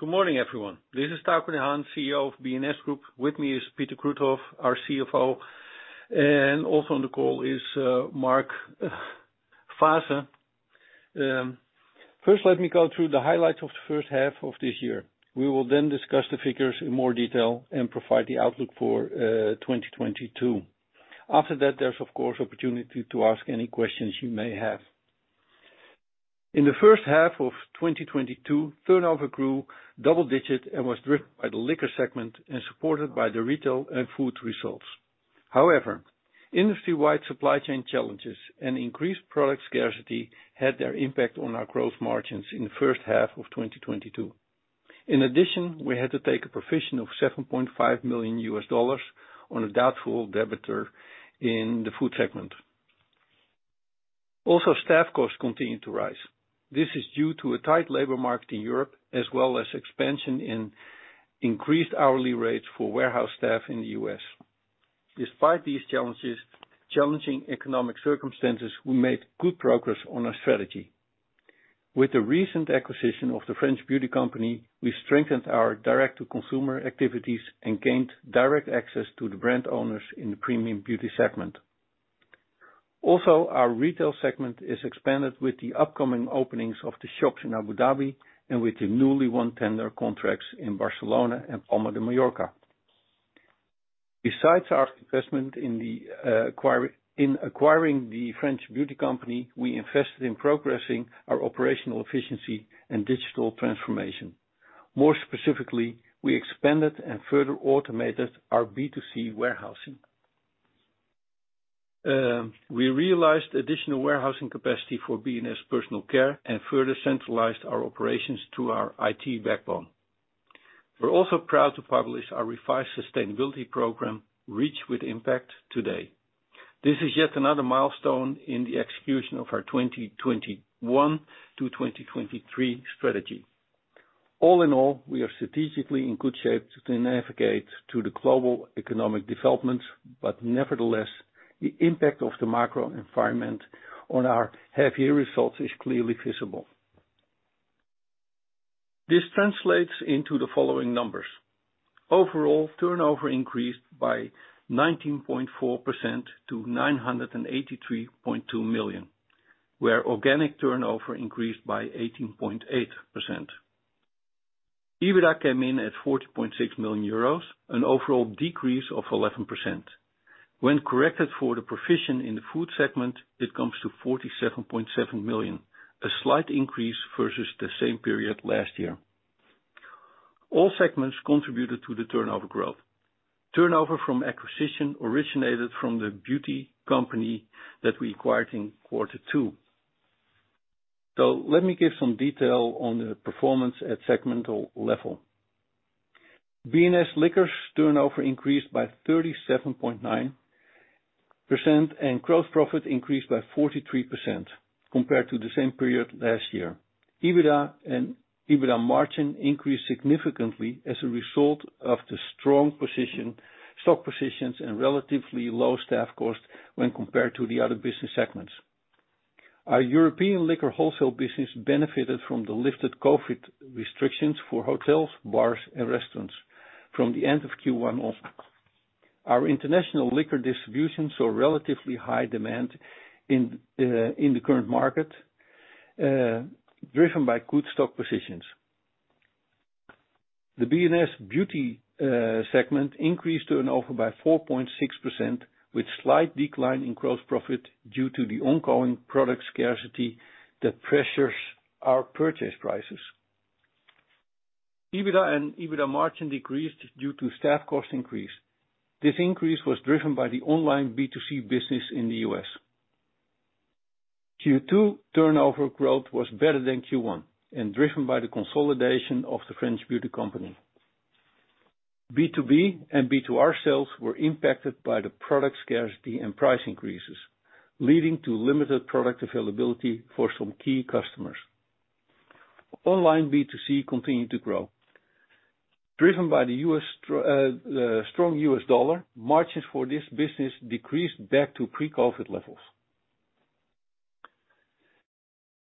Good morning, everyone. This is Tako de Haan, CEO of B&S Group. With me is Peter Kruithof, our CFO, and also on the call is Mark Faasse. First, let me go through the highlights of the first half of this year. We will then discuss the figures in more detail and provide the outlook for 2022. After that, there's of course opportunity to ask any questions you may have. In the first half of 2022, turnover grew double digits and was driven by the liquor segment and supported by the retail and food results. However, industry-wide supply chain challenges and increased product scarcity had their impact on our growth margins in the first half of 2022. In addition, we had to take a provision of $7.5 million on a doubtful debtor in the food segment. Staff costs continued to rise. This is due to a tight labor market in Europe, as well as expansion in increased hourly rates for warehouse staff in the U.S. Despite these challenges, challenging economic circumstances, we made good progress on our strategy. With the recent acquisition of the French beauty company, we strengthened our direct-to-consumer activities and gained direct access to the brand owners in the premium beauty segment. Our retail segment is expanded with the upcoming openings of the shops in Abu Dhabi and with the newly won tender contracts in Barcelona and Palma de Mallorca. Besides our investment in acquiring the French beauty company, we invested in progressing our operational efficiency and digital transformation. More specifically, we expanded and further automated our B2C warehousing. We realized additional warehousing capacity for B&S Personal Care and further centralized our operations to our IT backbone. We're also proud to publish our revised sustainability program, Reach with Impact, today. This is yet another milestone in the execution of our 2021 to 2023 strategy. All in all, we are strategically in good shape to navigate through the global economic developments, but nevertheless, the impact of the macro environment on our half year results is clearly visible. This translates into the following numbers. Overall, turnover increased by 19.4% to 983.2 million, while organic turnover increased by 18.8%. EBITDA came in at 40.6 million euros, an overall decrease of 11%. When corrected for the provision in the food segment, it comes to 47.7 million, a slight increase versus the same period last year. All segments contributed to the turnover growth. Turnover from acquisition originated from the beauty company that we acquired in Q2. Let me give some detail on the performance at segmental level. B&S Liquors turnover increased by 37.9%, and gross profit increased by 43% compared to the same period last year. EBITDA and EBITDA margin increased significantly as a result of the strong position, stock positions and relatively low staff cost when compared to the other business segments. Our European liquor wholesale business benefited from the lifted COVID restrictions for hotels, bars, and restaurants from the end of Q1 on. Our international liquor distribution saw relatively high demand in the current market, driven by good stock positions. The B&S Beauty segment increased turnover by 4.6%, with slight decline in gross profit due to the ongoing product scarcity that pressures our purchase prices. EBITDA and EBITDA margin decreased due to staff cost increase. This increase was driven by the online B2C business in the U.S. Q2 turnover growth was better than Q1 and driven by the consolidation of the French beauty company. B2B and B2R sales were impacted by the product scarcity and price increases, leading to limited product availability for some key customers. Online B2C continued to grow. Driven by the strong U.S. dollar, margins for this business decreased back to pre-COVID levels.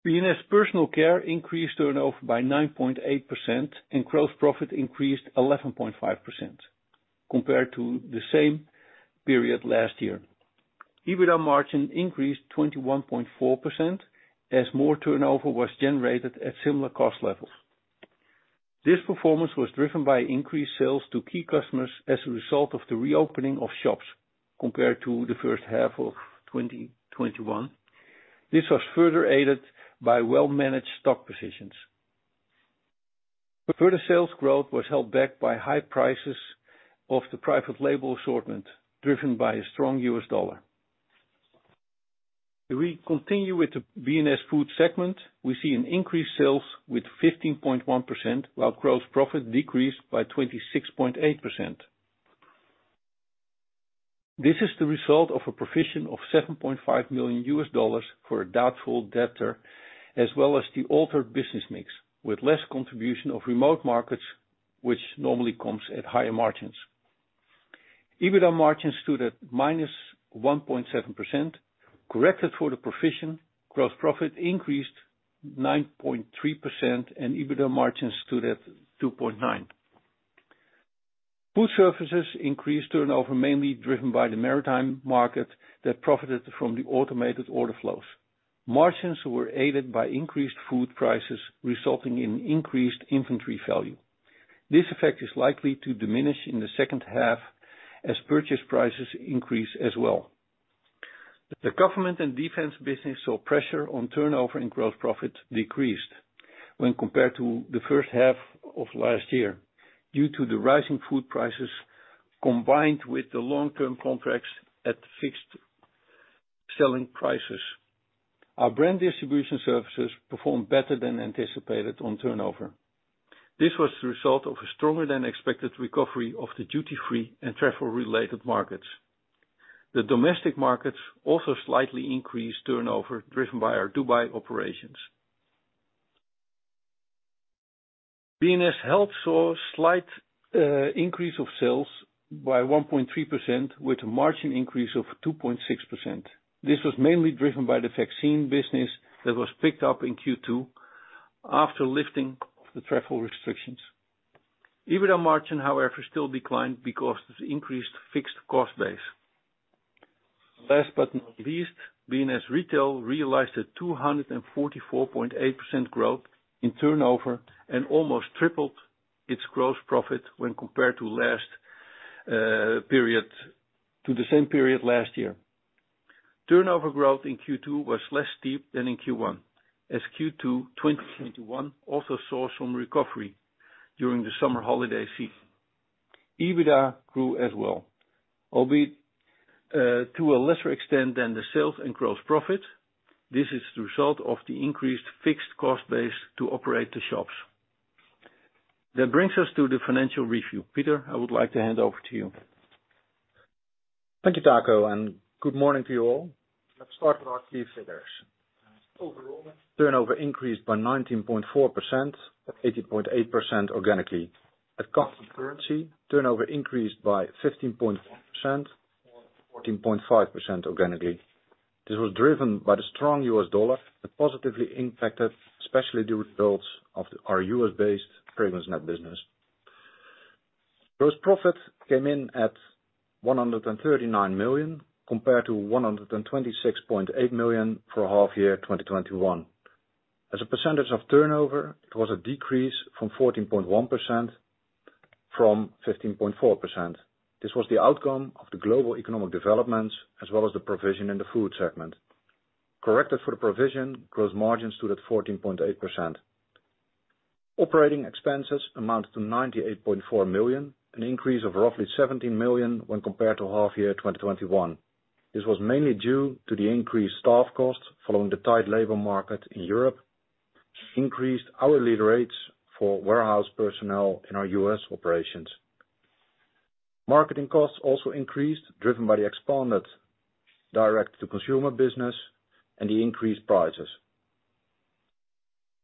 B&S Personal Care increased turnover by 9.8%, and gross profit increased 11.5% compared to the same period last year. EBITDA margin increased 21.4% as more turnover was generated at similar cost levels. This performance was driven by increased sales to key customers as a result of the reopening of shops compared to the first half of 2021. This was further aided by well-managed stock positions. Further sales growth was held back by high prices of the private label assortment, driven by a strong U.S. dollar. If we continue with the B&S Food segment, we see an increased sales with 15.1%, while gross profit decreased by 26.8%. This is the result of a provision of $7.5 million for a doubtful debtor, as well as the altered business mix, with less contribution of remote markets, which normally comes at higher margins. EBITDA margins stood at -1.7%, corrected for the provision. Gross profit increased 9.3% and EBITDA margins stood at 2.9%. Food services increased turnover, mainly driven by the maritime market that profited from the automated order flows. Margins were aided by increased food prices, resulting in increased inventory value. This effect is likely to diminish in the second half as purchase prices increase as well. The government and defense business saw pressure on turnover and gross profit decreased when compared to the first half of last year, due to the rising food prices combined with the long-term contracts at fixed selling prices. Our brand distribution services performed better than anticipated on turnover. This was the result of a stronger than expected recovery of the duty-free and travel related markets. The domestic markets also slightly increased turnover, driven by our Dubai operations. B&S Health saw slight increase of sales by 1.3% with a margin increase of 2.6%. This was mainly driven by the vaccine business that was picked up in Q2 after lifting of the travel restrictions. EBITDA margin, however, still declined because of the increased fixed cost base. Last but not least, B&S Retail realized a 244.8% growth in turnover and almost tripled its gross profit when compared to last period, to the same period last year. Turnover growth in Q2 was less steep than in Q1, as Q2 2022 to Q1 also saw some recovery during the summer holiday season. EBITDA grew as well, albeit to a lesser extent than the sales and gross profit. This is the result of the increased fixed cost base to operate the shops. That brings us to the financial review. Peter, I would like to hand over to you. Thank you, Tako, and good morning to you all. Let's start with our key figures. Overall, turnover increased by 19.4% at 8.8% organically. At constant currency, turnover increased by 15.4% or 14.5% organically. This was driven by the strong U.S. dollar that positively impacted, especially the results of our U.S.-based FragranceNet business. Gross profit came in at 139 million, compared to 126.8 million for half year 2021. As a percentage of turnover, it was a decrease from 15.4% to 14.1%. This was the outcome of the global economic developments as well as the provision in the food segment. Corrected for the provision, gross margins stood at 14.8%. Operating expenses amounted to 98.4 million, an increase of roughly 17 million when compared to half year 2021. This was mainly due to the increased staff costs following the tight labor market in Europe, increased hourly rates for warehouse personnel in our U.S. operations. Marketing costs also increased, driven by the expanded direct to consumer business and the increased prices.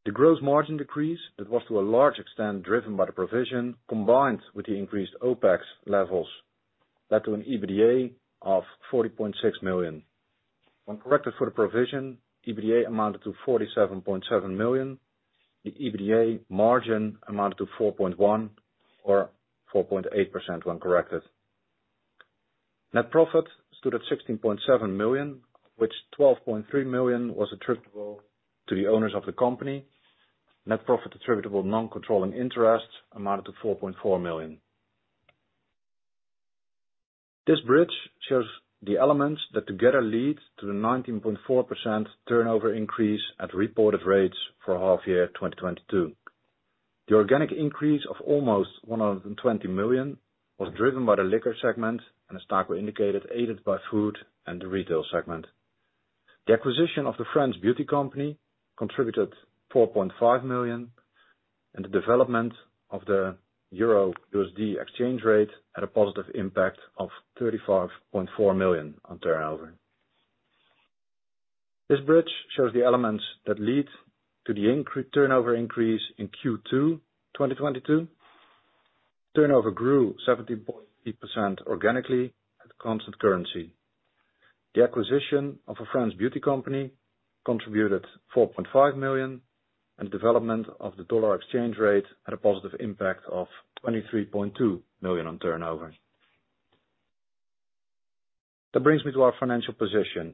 The gross margin decrease that was to a large extent driven by the provision combined with the increased OPEX levels led to an EBITDA of 40.6 million. When corrected for the provision, EBITDA amounted to 47.7 million. The EBITDA margin amounted to 4.1% or 4.8% when corrected. Net profit stood at 16.7 million, of which 12.3 million was attributable to the owners of the company. Net profit attributable non-controlling interest amounted to 4.4 million. This bridge shows the elements that together lead to the 19.4% turnover increase at reported rates for half year 2022. The organic increase of almost 120 million was driven by the liquor segment and as Taco indicated, aided by food and the retail segment. The acquisition of the French beauty company contributed 4.5 million, and the development of the EUR/USD exchange rate had a positive impact of 35.4 million on turnover. This bridge shows the elements that lead to the turnover increase in Q2 2022. Turnover grew 17.3% organically at constant currency. The acquisition of a French beauty company contributed 4.5 million, and development of the dollar exchange rate had a positive impact of 23.2 million on turnover. That brings me to our financial position.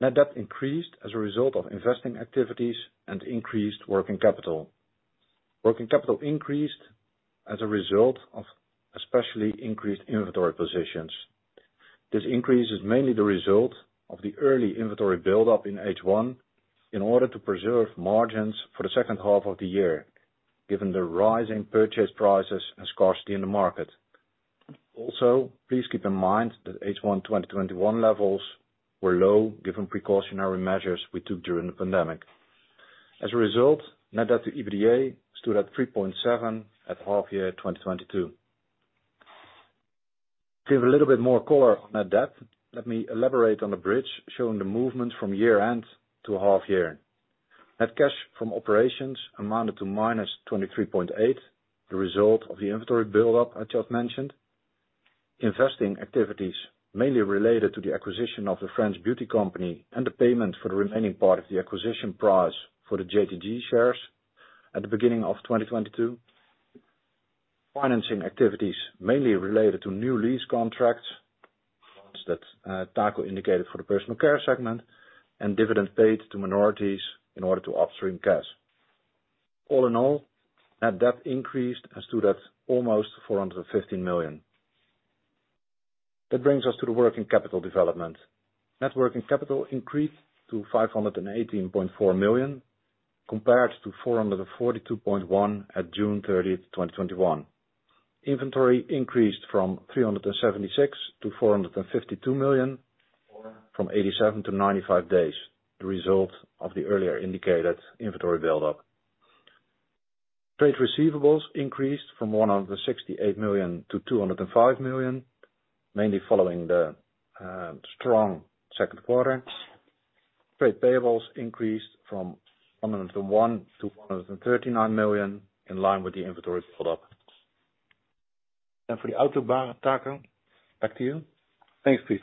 Net debt increased as a result of investing activities and increased working capital. Working capital increased as a result of especially increased inventory positions. This increase is mainly the result of the early inventory buildup in H1 in order to preserve margins for the second half of the year, given the rising purchase prices and scarcity in the market. Also, please keep in mind that H1 2021 levels were low given precautionary measures we took during the pandemic. As a result, net debt to EBITDA stood at 3.7 at half year 2022. To give a little bit more color on that debt, let me elaborate on the bridge showing the movement from year end to half year. Net cash from operations amounted to -23.8. The result of the inventory buildup I just mentioned. Investing activities mainly related to the acquisition of the French beauty company and the payment for the remaining part of the acquisition price for the JTG shares at the beginning of 2022. Financing activities mainly related to new lease contracts, ones that, Taco indicated for the personal care segment and dividend paid to minorities in order to upstream cash. All in all, net debt increased and stood at almost 415 million. That brings us to the working capital development. Net working capital increased to 518.4 million, compared to 442.1 million at June 30, 2021. Inventory increased from 376 million to 452 million, or from 87-95 days, the result of the earlier indicated inventory buildup. Trade receivables increased from 168 million to 205 million, mainly following the strong second quarter. Trade payables increased from 101 million to 139 million, in line with the inventory buildup. For the outlook, Tako, back to you. Thanks, Pete.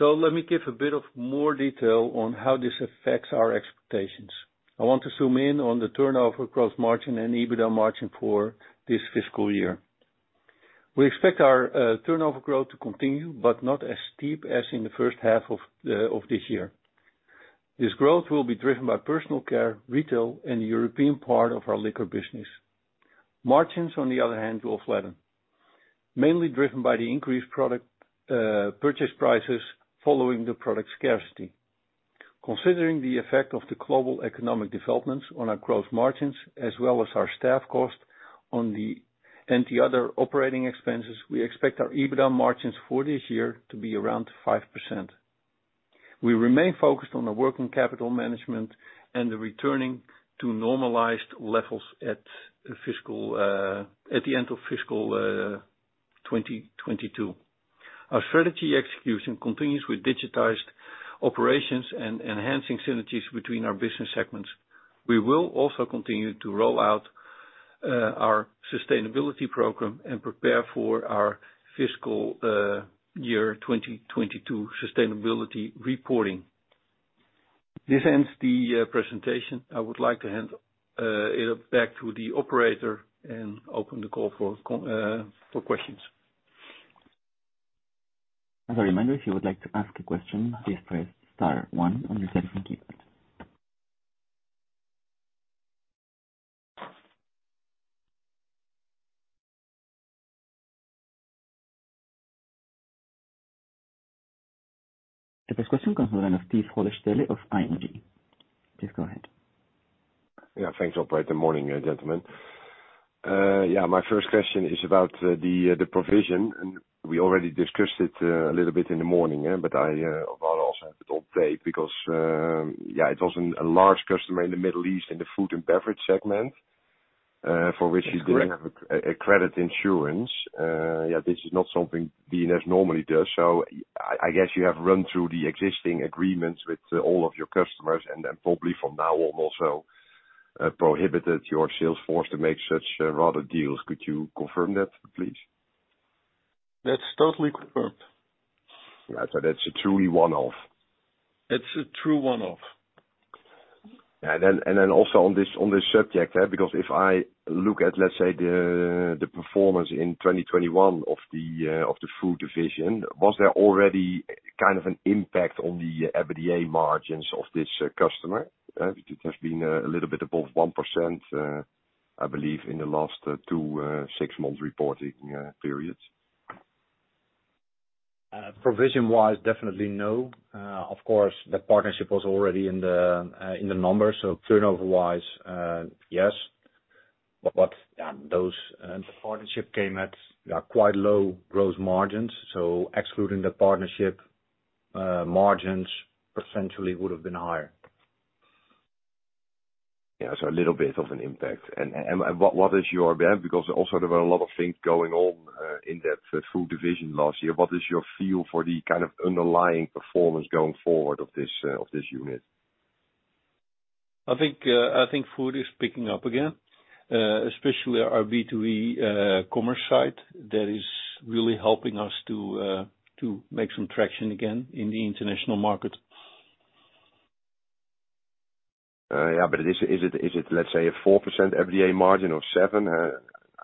Let me give a bit of more detail on how this affects our expectations. I want to zoom in on the turnover gross margin and EBITDA margin for this fiscal year. We expect our turnover growth to continue, but not as steep as in the first half of this year. This growth will be driven by personal care, retail, and the European part of our liquor business. Margins, on the other hand, will flatten, mainly driven by the increased product purchase prices following the product scarcity. Considering the effect of the global economic developments on our gross margins, as well as our staff cost and the other operating expenses, we expect our EBITDA margins for this year to be around 5%. We remain focused on the working capital management and the returning to normalized levels at the end of fiscal 2022. Our strategy execution continues with digitized operations and enhancing synergies between our business segments. We will also continue to roll out our sustainability program and prepare for our fiscal year 2022 sustainability reporting. This ends the presentation. I would like to hand it back to the operator and open the call for questions. As a reminder, if you would like to ask a question, please press star one on your telephone keypad. The first question comes from the line of Tijs Hollestelle of ING. Please go ahead. Yeah, thanks operator. Morning, gentlemen. Yeah, my first question is about the provision, and we already discussed it a little bit in the morning, but I want to also have it on replay because yeah, it was a large customer in the Middle East in the food and beverage segment, for which you didn't- That's correct. Have a credit insurance. Yeah, this is not something B&S normally does. I guess you have run through the existing agreements with all of your customers and then probably from now on also prohibited your sales force to make such rash deals. Could you confirm that, please? That's totally confirmed. Right. That's a truly one-off. It's a true one-off. On this subject, because if I look at, let's say, the performance in 2021 of the food division, was there already kind of an impact on the EBITDA margins of this customer? It has been a little bit above 1%, I believe, in the last two six-month reporting periods. Provision wise, definitely no. Of course, the partnership was already in the numbers. Turnover wise, yes. But the partnership came at quite low gross margins. Excluding the partnership, margins potentially would have been higher. Yeah. A little bit of an impact. What is your bent? Because also there were a lot of things going on in that food division last year. What is your feel for the kind of underlying performance going forward of this unit? I think food is picking up again, especially our B2B commerce side that is really helping us to make some traction again in the international market. Yeah, is it, let's say, a 4% EBITDA margin or 7%?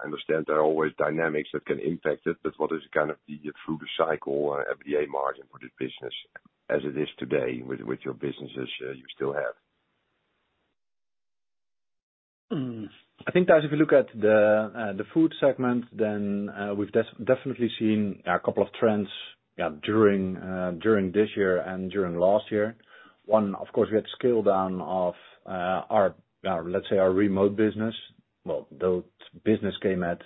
I understand there are always dynamics that can impact it, but what is kind of the through-the-cycle EBITDA margin for this business as it is today with your businesses you still have? I think that if you look at the food segment, then we've definitely seen a couple of trends, yeah, during this year and during last year. One, of course, we had scale down of our, let's say, our remote business. Well, the business came at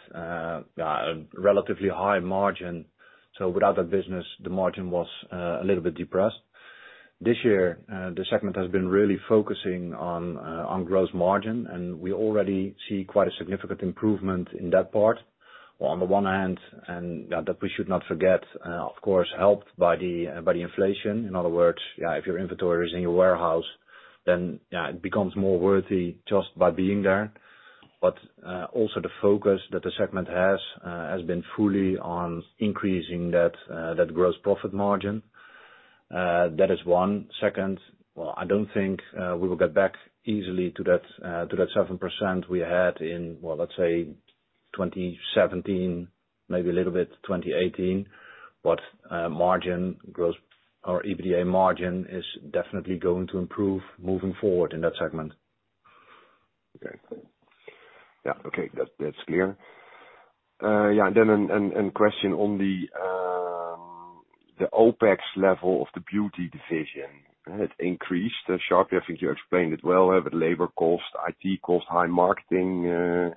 relatively high margin. So without that business, the margin was a little bit depressed. This year, the segment has been really focusing on growth margin, and we already see quite a significant improvement in that part. On the one hand, and that we should not forget, of course, helped by the inflation. In other words, yeah, if your inventory is in your warehouse, then yeah, it becomes more worthy just by being there. Also the focus that the segment has been fully on increasing that gross profit margin. That is one. Second, well, I don't think we will get back easily to that 7% we had in, well, let's say 2017, maybe a little bit 2018. Margin grows. Our EBITDA margin is definitely going to improve moving forward in that segment. Okay. Yeah, okay. That's clear. Yeah. A question on the OPEX level of the beauty division. It increased sharply. I think you explained it well. The labor cost, IT cost, high marketing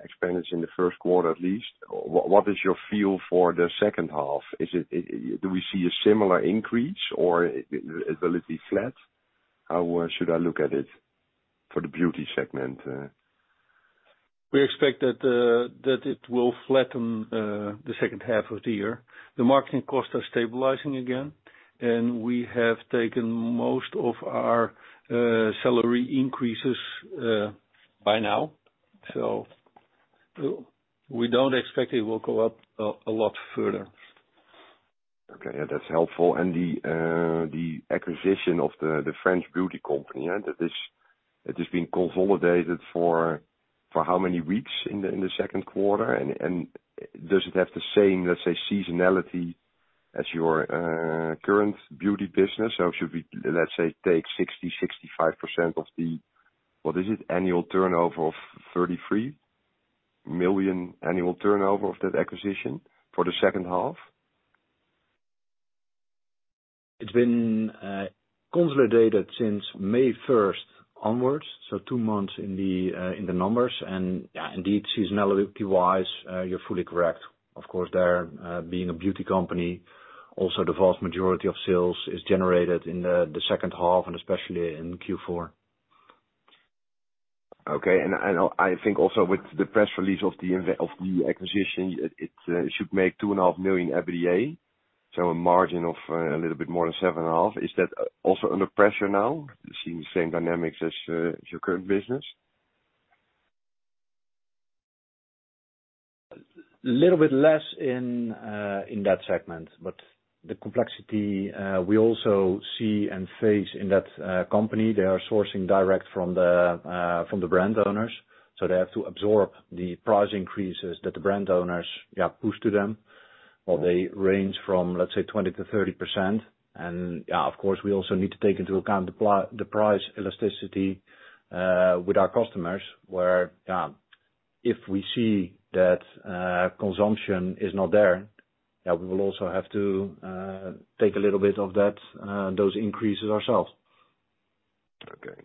expense in the first quarter at least. What is your feel for the second half? Do we see a similar increase or is it relatively flat? How should I look at it for the beauty segment? We expect that it will flatten the second half of the year. The marketing costs are stabilizing again, and we have taken most of our salary increases by now. We don't expect it will go up a lot further. Okay. Yeah, that's helpful. The acquisition of the French beauty company, yeah, that has been consolidated for how many weeks in the second quarter? Does it have the same, let's say, seasonality as your current beauty business? Should we, let's say, take 65% of the annual turnover of 33 million of that acquisition for the second half? It's been consolidated since May first onwards, so two months in the numbers. Yeah, indeed, seasonality-wise, you're fully correct. Of course, being a beauty company, also the vast majority of sales is generated in the second half and especially in Q4. Okay. I think also with the press release of the acquisition, it should make 2.5 million EBITDA, so a margin of a little bit more than 7.5%. Is that also under pressure now, seeing the same dynamics as your current business? A little bit less in that segment, but the complexity we also see and face in that company. They are sourcing direct from the brand owners, so they have to absorb the price increases that the brand owners push to them. Well, they range from, let's say, 20%-30%. Of course, we also need to take into account the price elasticity with our customers, where, if we see that consumption is not there, we will also have to take a little bit of those increases ourselves. Okay.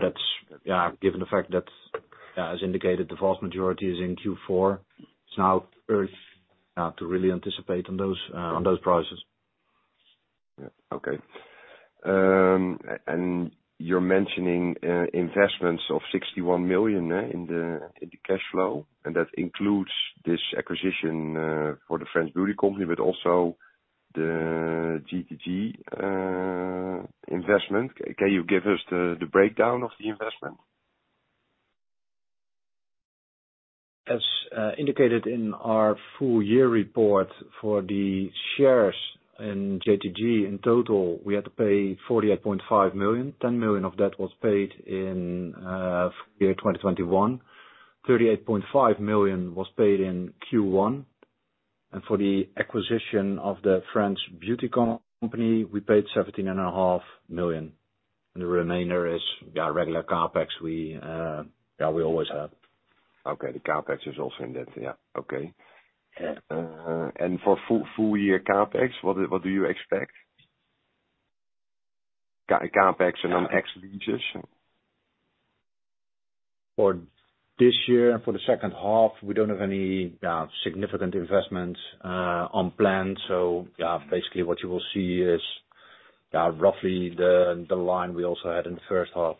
That's, yeah, given the fact that, yeah, as indicated, the vast majority is in Q4. It's now early to really anticipate on those prices. You're mentioning investments of 61 million in the cash flow, and that includes this acquisition for the French beauty company, but also the JTG investment. Can you give us the breakdown of the investment? As indicated in our full year report for the shares in JTG, in total, we had to pay 48.5 million. 10 million of that was paid in full year 2021, 38.5 million was paid in Q1. For the acquisition of the French beauty company, we paid 17 and a half million. The remainder is regular CapEx we always have. Okay. The CapEx is also in that. Yeah. Okay. Yeah. For full year CapEx, what do you expect? CapEx and then ex leases? For this year, for the second half, we don't have any significant investments on plan. Yeah, basically what you will see is, yeah, roughly the line we also had in the first half.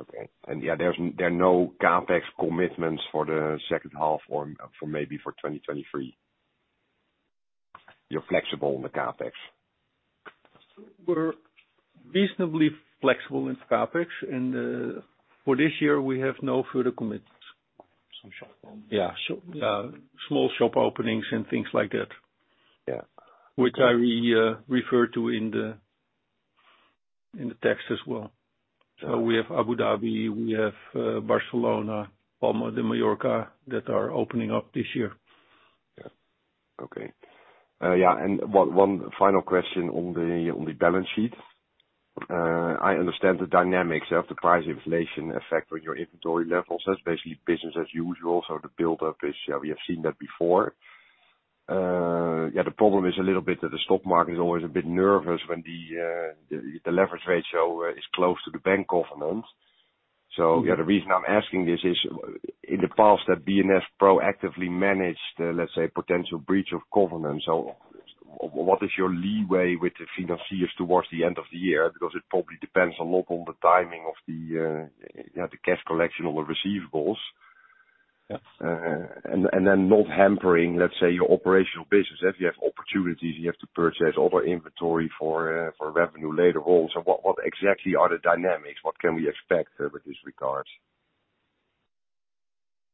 Okay. Yeah, there are no CapEx commitments for the second half or maybe for 2023? You're flexible on the CapEx. We're reasonably flexible in CapEx and, for this year we have no further commitments. Some shop openings. Yeah. Small shop openings and things like that. Yeah. Which I refer to in the text as well. We have Abu Dhabi, we have Barcelona, Palma de Mallorca, that are opening up this year. Yeah. Okay. Yeah. One final question on the balance sheet. I understand the dynamics of the price inflation effect on your inventory levels. That's basically business as usual. The buildup is, we have seen that before. The problem is a little bit that the stock market is always a bit nervous when the leverage ratio is close to the bank covenant. The reason I'm asking this is, in the past that B&S proactively managed, let's say, potential breach of covenant. What is your leeway with the financiers towards the end of the year? Because it probably depends a lot on the timing of the cash collection or the receivables. Yeah. Not hampering, let's say, your operational business. If you have opportunities, you have to purchase other inventory for revenue later on. What exactly are the dynamics? What can we expect with this regards?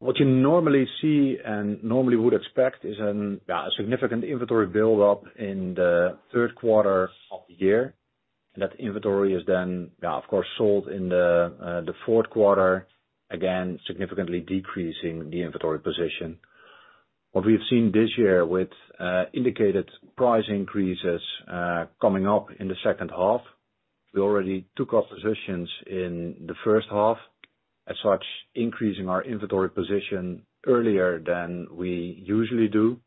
What you normally see and normally would expect is a significant inventory build-up in the third quarter of the year, and that inventory is then, of course, sold in the fourth quarter, again, significantly decreasing the inventory position. What we've seen this year with indicated price increases coming up in the second half, we already took our positions in the first half, as such, increasing our inventory position earlier than we usually do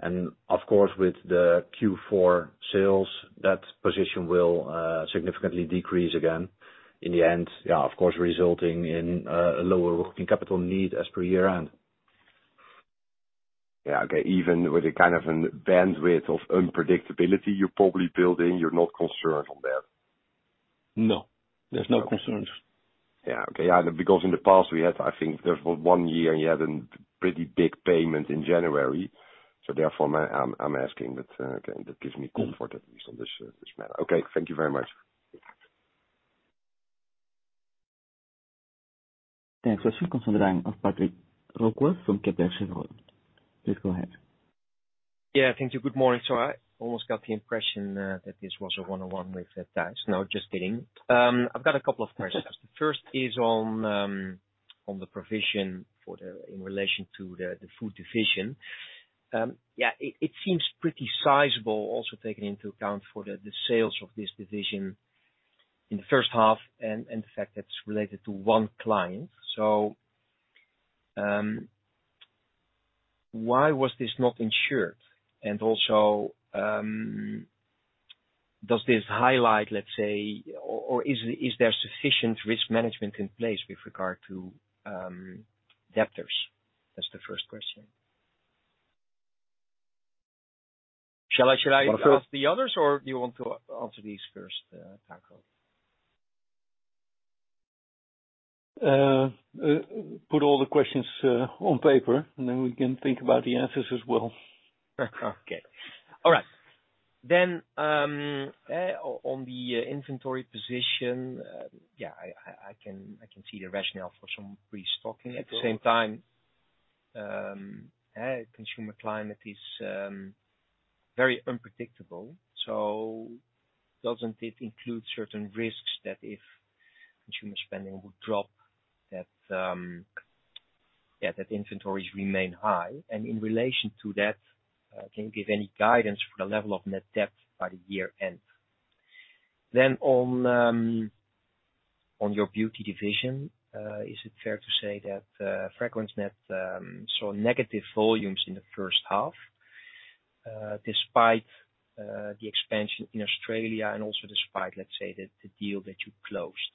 and of course, with the Q4 sales, that position will significantly decrease again. In the end, of course, resulting in a lower working capital need as per year-end. Yeah. Okay. Even with a kind of an bandwidth of unpredictability you're probably building, you're not concerned on that? No. There's no concerns. Yeah. Okay. Yeah, because in the past, we had, I think, there was one year you had a pretty big payment in January, so therefore I'm asking, but that gives me comfort, at least on this matter. Okay. Thank you very much. Thanks. Next question comes on the line of Patrick Roquas from KBC Securities. Please go ahead. Yeah. Thank you. Good morning. I almost got the impression that this was a one-on-one with Tijs. No, just kidding. I've got a couple of questions. The first is on the provision in relation to the food division. It seems pretty sizable also taking into account the sales of this division in the first half and the fact that it's related to one client. Why was this not insured? Also, does this highlight, let's say, or is there sufficient risk management in place with regard to debtors? That's the first question. Should I ask the others or do you want to answer these first, Tako? Put all the questions on paper, and then we can think about the answers as well. On the inventory position, yeah, I can see the rationale for some restocking. At the same time, consumer climate is very unpredictable. Doesn't it include certain risks that if consumer spending would drop, yeah, that inventories remain high? In relation to that, can you give any guidance for the level of net debt by the year-end? On your beauty division, is it fair to say that FragranceNet saw negative volumes in the first half, despite the expansion in Australia and also despite, let's say, the deal that you closed?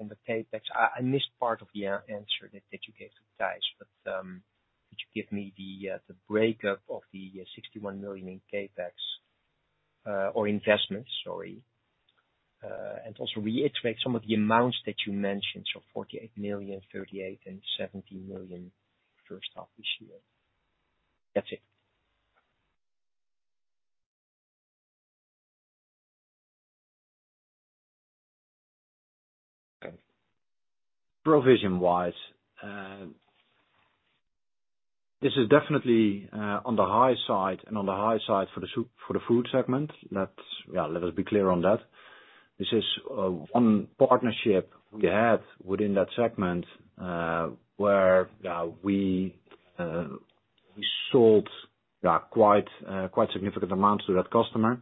On the CapEx, I missed part of the answer that you gave to Tijs. Could you give me the breakdown of the 61 million in CapEx or investments, sorry, and also reiterate some of the amounts that you mentioned, so 48 million, 38 million and 17 million first half this year? That's it. Provision wise, this is definitely on the high side for the food segment. Let us be clear on that. This is one partnership we had within that segment where we sold quite significant amounts to that customer.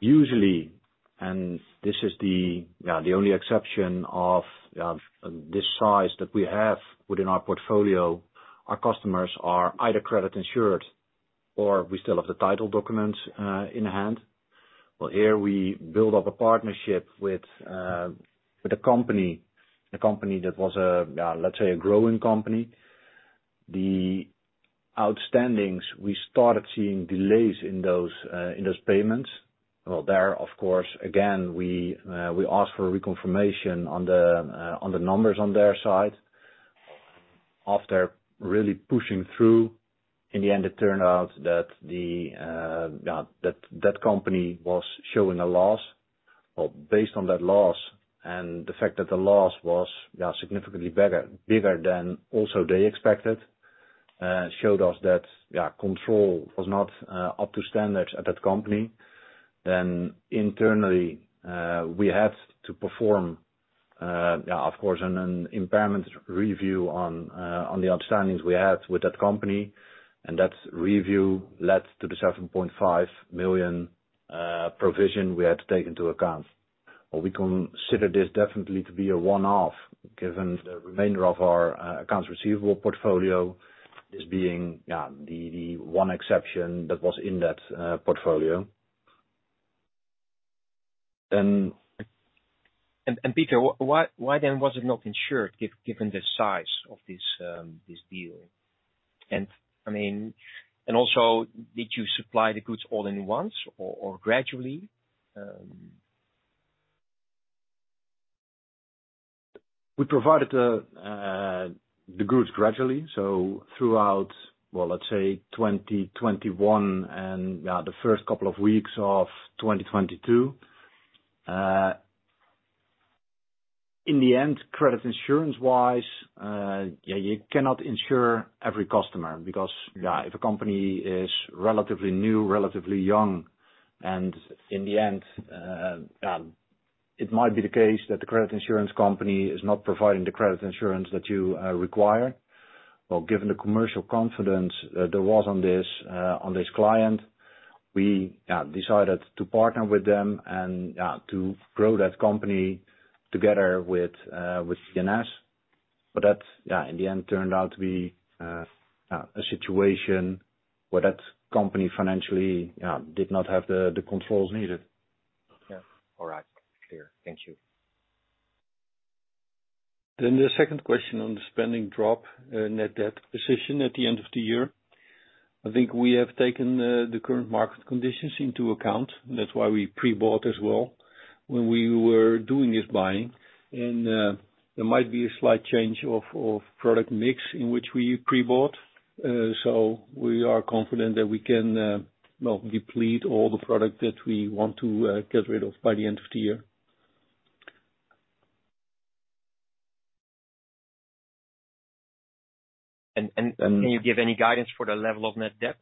Usually, and this is the only exception of this size that we have within our portfolio, our customers are either credit insured or we still have the title documents in hand. Here we build up a partnership with a company that was, let's say, a growing company. The outstandings, we started seeing delays in those payments. Well, there, of course, again, we asked for reconfirmation on the numbers on their side. After really pushing through, in the end, it turned out that that company was showing a loss. Well, based on that loss and the fact that the loss was significantly bigger than also they expected, showed us that control was not up to standard at that company. Internally, we had to perform, of course, an impairment review on the outstandings we had with that company, and that review led to the 7.5 million provision we had to take into account. Well, we consider this definitely to be a one-off, given the remainder of our accounts receivable portfolio as being the one exception that was in that portfolio. Peter, why then was it not insured given the size of this deal? I mean, and also, did you supply the goods all at once or gradually? We provided the goods gradually, so throughout, well, let's say 2021 and the first couple of weeks of 2022. In the end, credit insurance-wise, you cannot insure every customer because if a company is relatively new, relatively young, and in the end, it might be the case that the credit insurance company is not providing the credit insurance that you require. Well, given the commercial confidence that there was on this client, we decided to partner with them and to grow that company together with B&S. That in the end turned out to be a situation where that company financially did not have the controls needed. Yeah. All right. Clear. Thank you. The second question on the spending drop, net debt position at the end of the year, I think we have taken the current market conditions into account. That's why we pre-bought as well when we were doing this buying. There might be a slight change of product mix in which we pre-bought, so we are confident that we can, well, deplete all the product that we want to get rid of by the end of the year. Can you give any guidance for the level of net debt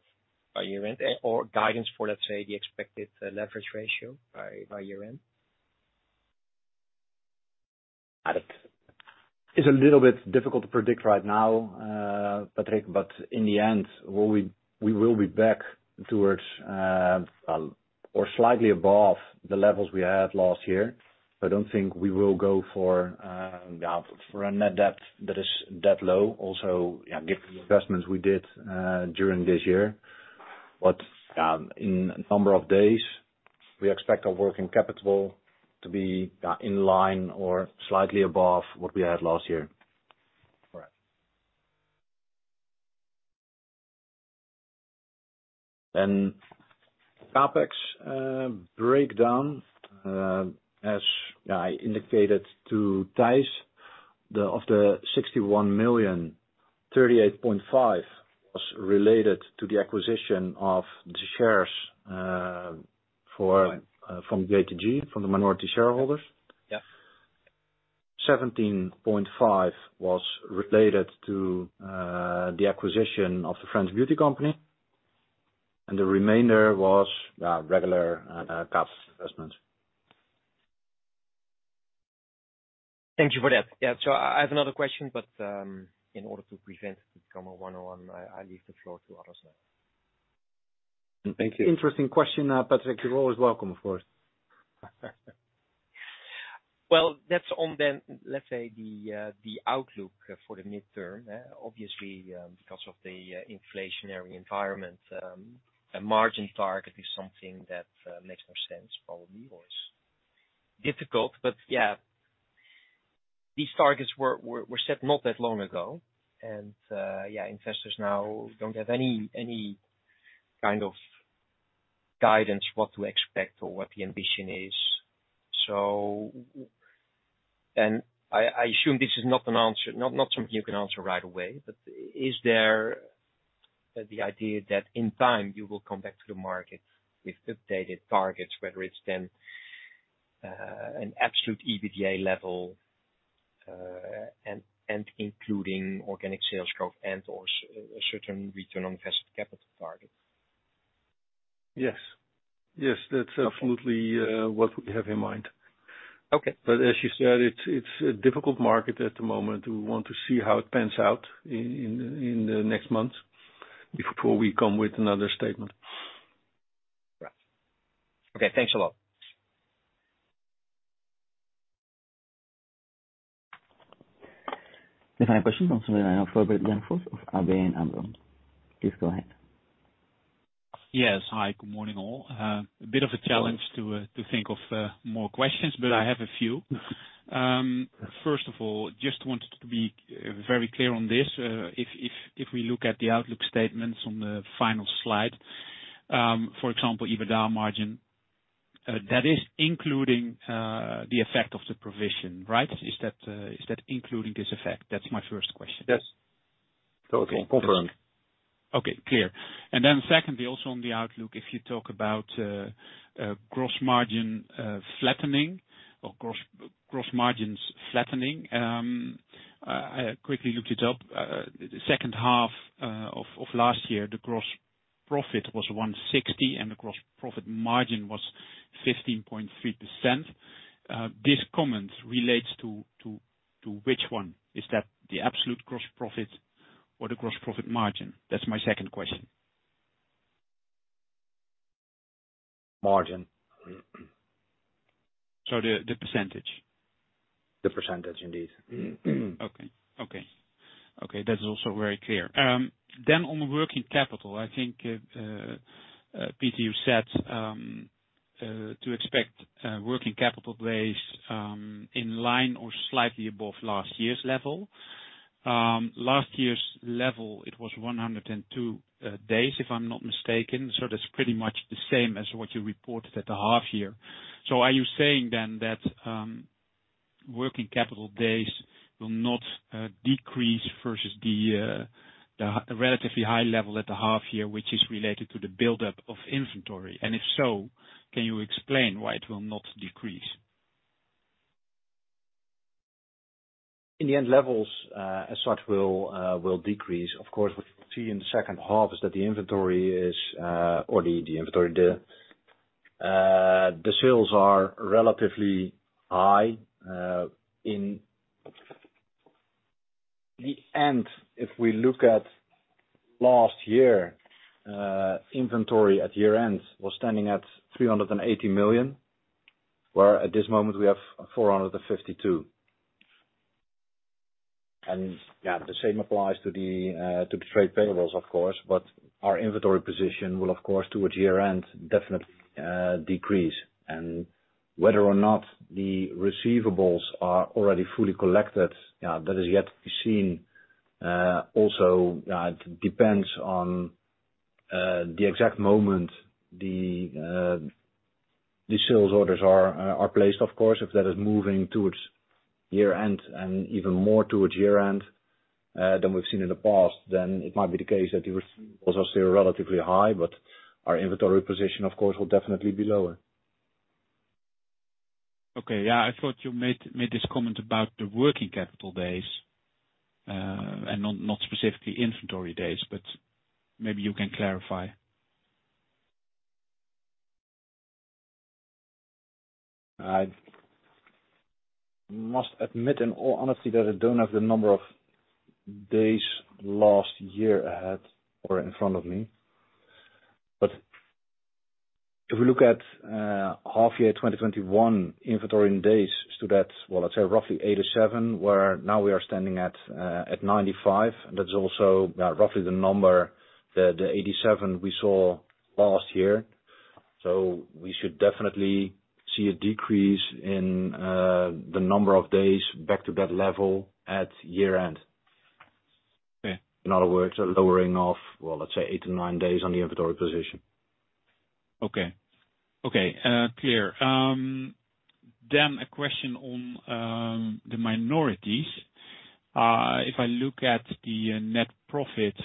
by year-end or guidance for, let's say, the expected leverage ratio by year-end? It's a little bit difficult to predict right now, Patrick, but in the end, we will be back towards or slightly above the levels we had last year. I don't think we will go for a net debt that is that low also, given the investments we did during this year. In a number of days, we expect our working capital to be in line or slightly above what we had last year. All right. CapEx breakdown, as I indicated to Tijs, of the 61 million, 38.5 million was related to the acquisition of the shares from the JTG from the minority shareholders. Yeah. 17.5 was related to the acquisition of the French beauty company, and the remainder was regular capital investment. Thank you for that. Yeah. I have another question, but in order to prevent it become a one-on-one, I leave the floor to others now. Thank you. Interesting question, Patrick. You're always welcome, of course. Well, that's on then, let's say, the outlook for the midterm. Obviously, because of the inflationary environment, a margin target is something that makes more sense probably, or it's difficult. Yeah, these targets were set not that long ago. Yeah, investors now don't have any kind of guidance what to expect or what the ambition is. I assume this is not an answer, not something you can answer right away, but is there the idea that in time you will come back to the market with updated targets, whether it's then an absolute EBITDA level, and including organic sales growth and/or certain return on invested capital targets? Yes. Yes. That's absolutely what we have in mind. Okay. As you said, it's a difficult market at the moment. We want to see how it pans out in the next months before we come with another statement. Right. Okay. Thanks a lot. Yes. Hi. Good morning, all. A bit of a challenge to think of more questions, but I have a few. First of all, just wanted to be very clear on this. If we look at the outlook statements on the final slide, for example, EBITDA margin, that is including the effect of the provision, right? Is that including this effect? That's my first question. Yes. Totally. Confirmed. Okay. Clear. Secondly, also on the outlook, if you talk about gross margin flattening or gross margins flattening, I quickly looked it up. The second half of last year, the gross profit was 160 and the gross profit margin was 15.3%. This comment relates to which one? Is that the absolute gross profit or the gross profit margin? That's my second question. Margin. The percentage? The percentage indeed. Okay. That's also very clear. On working capital, I think, Piet you said to expect working capital days in line or slightly above last year's level. Last year's level, it was 102 days, if I'm not mistaken. That's pretty much the same as what you reported at the half year. Are you saying then that working capital days will not decrease versus the relatively high level at the half year, which is related to the buildup of inventory? If so, can you explain why it will not decrease? In the end levels, as such will decrease. Of course, what we see in the second half is that the sales are relatively high in the end. If we look at last year, inventory at year-end was standing at 380 million, where at this moment we have 452 million. Yeah, the same applies to the trade payables, of course, but our inventory position will of course, towards year-end, definitely decrease. Whether or not the receivables are already fully collected, that is yet to be seen. Also, it depends on the exact moment the sales orders are placed, of course, if that is moving towards year-end and even more towards year-end than we've seen in the past, then it might be the case that the receivables are still relatively high. Our inventory position, of course, will definitely be lower. Okay. Yeah. I thought you made this comment about the working capital days, and not specifically inventory days, but maybe you can clarify? I must admit, in all honesty, that I don't have the number of days last year at or in front of me. If we look at half year, 2021 inventory in days stood at, well, let's say roughly 87, where now we are standing at 95. That's also roughly the number, the 87 we saw last year. We should definitely see a decrease in the number of days back to that level at year-end. Yeah. In other words, a lowering of, well, let's say eight to nine days on the inventory position. A question on the minorities. If I look at the net profit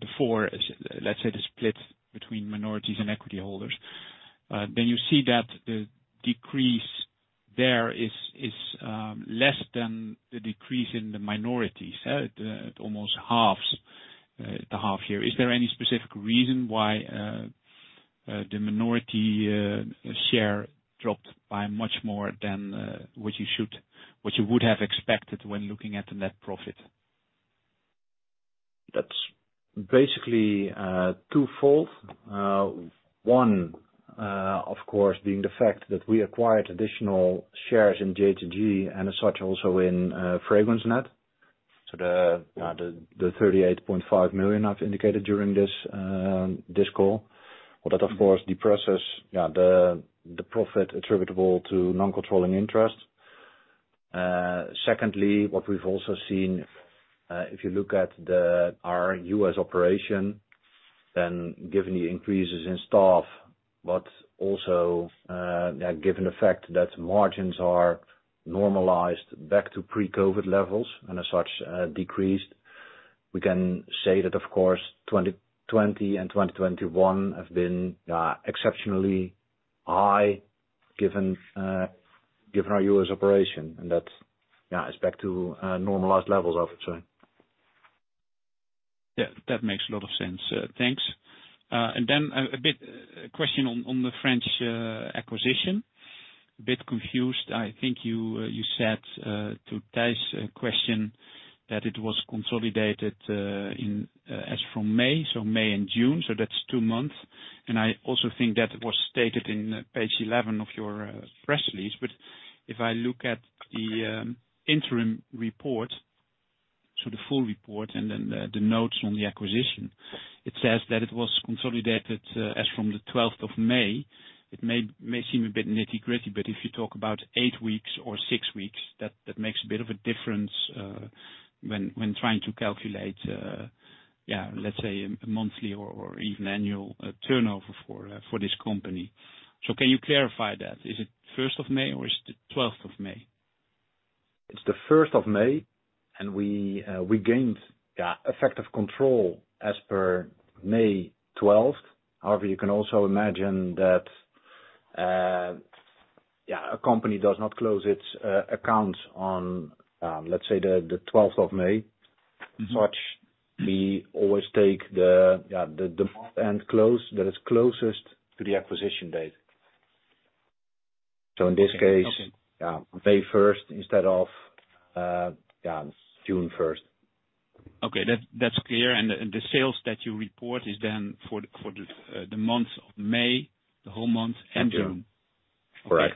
before, let's say, the split between minorities and equity holders, you see that the decrease there is less than the decrease in the minorities. It almost halves at the half year. Is there any specific reason why the minority share dropped by much more than what you would have expected when looking at the net profit? That's basically twofold. One, of course, being the fact that we acquired additional shares in JTG, and as such also in FragranceNet. So the 38.5 million I've indicated during this call. Well, that of course depresses the profit attributable to non-controlling interest. Secondly, what we've also seen, if you look at our U.S. operation, then given the increases in staff, but also given the fact that margins are normalized back to pre-COVID levels, and as such decreased, we can say that of course, 2020 and 2021 have been exceptionally high given our U.S. operation. That's, it's back to normalized levels, I would say. Yeah, that makes a lot of sense. Thanks. And then a bit question on the French acquisition. A bit confused. I think you said to Stijn's question that it was consolidated in as from May, so May and June, so that's two months. I also think that was stated in page 11 of your press release. If I look at the interim report, so the full report and then the notes on the acquisition, it says that it was consolidated as from the 12th of May. It may seem a bit nitty-gritty, but if you talk about eight weeks or six weeks, that makes a bit of a difference when trying to calculate, yeah, let's say monthly or even annual turnover for this company. Can you clarify that? Is it 1st of May or is it 12th of May? It's the 1st of May, and we gained effective control as per May 12th. However, you can also imagine that a company does not close its accounts on, let's say the 12th of May. We always take the month-end close that is closest to the acquisition date. In this case, May first instead of June first. Okay. That's clear. The sales that you report is then for the month of May, the whole month and June? Correct.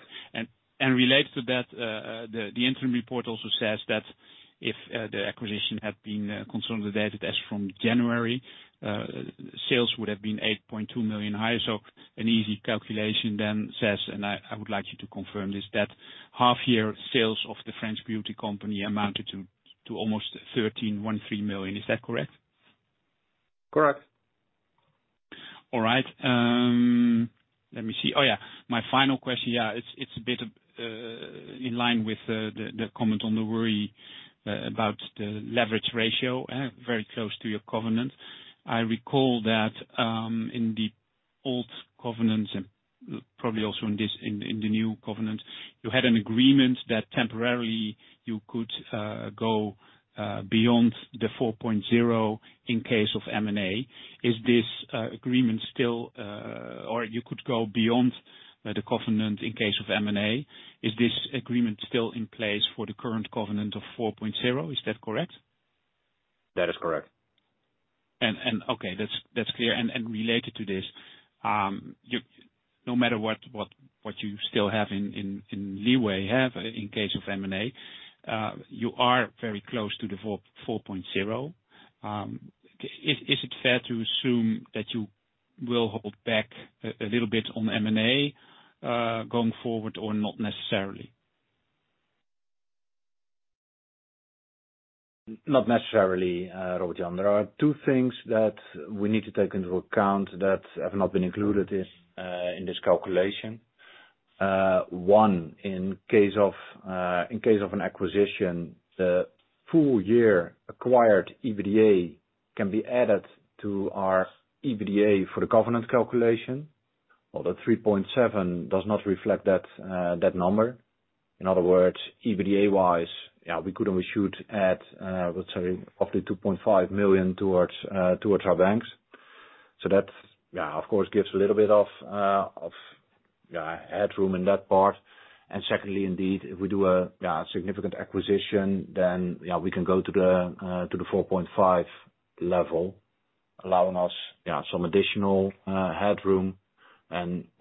Related to that, the interim report also says that if the acquisition had been consolidated as from January, sales would have been 8.2 million higher. An easy calculation then says I would like you to confirm this, that half year sales of the French beauty company amounted to almost 131.3 million. Is that correct? Correct. My final question. It's a bit in line with the comment on the worry about the leverage ratio very close to your covenant. I recall that in the old covenant and probably also in the new covenant you had an agreement that temporarily you could go beyond the covenant in case of M&A. Is this agreement still in place for the current covenant of 4.0? Is that correct? That is correct. Okay, that's clear. Related to this, no matter what you still have in leeway you have in case of M&A, you are very close to 4.0. Is it fair to assume that you will hold back a little bit on M&A going forward or not necessarily? Not necessarily, [Robert-Jan]. There are two things that we need to take into account that have not been included in this calculation. One, in case of an acquisition, the full year acquired EBITDA can be added to our EBITDA for the covenant calculation. Although 3.7 does not reflect that number. In other words, EBITDA-wise, we could only shoot at, let's say, roughly 2.5 million towards our banks. So that, of course, gives a little bit of headroom in that part. Secondly, indeed, if we do a significant acquisition, then we can go to the 4.5 level, allowing us some additional headroom.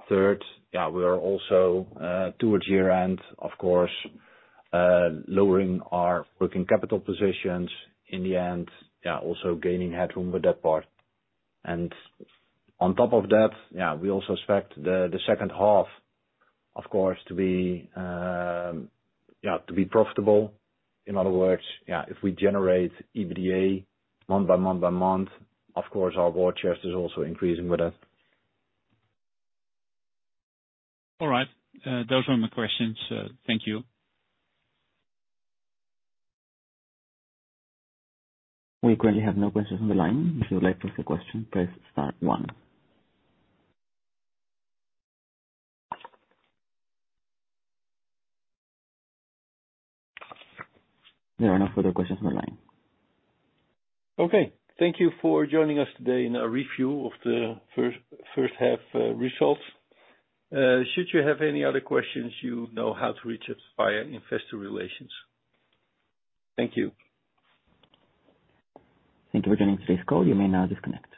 Third, yeah, we are also, towards year-end, of course, lowering our working capital positions in the end, yeah, also gaining headroom with that part. On top of that, yeah, we also expect the second half, of course, to be, yeah, to be profitable. In other words, yeah, if we generate EBITDA month by month, of course, our war chest is also increasing with that. All right. Those are my questions. Thank you. We currently have no questions on the line. If you would like to ask a question, press star one. There are no further questions on the line. Okay. Thank you for joining us today in a review of the first half results. Should you have any other questions, you know how to reach us via investor relations. Thank you. Thank you for joining today's call. You may now disconnect.